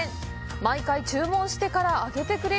毎回、注文してから揚げてくれる